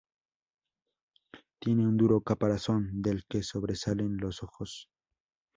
Tiene un duro caparazón, del que sobresalen los ojos.